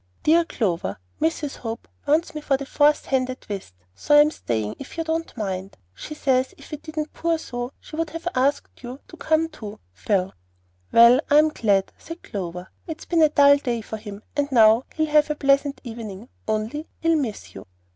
DEAR C., Mrs. Hope wants me for a fourth hand at whist, so I'm staying, if you don't mind. She says if it didn't pour so she'd ask you to come too. P. "Well, I'm glad," said Clover. "It's been a dull day for him, and now he'll have a pleasant evening, only he'll miss you."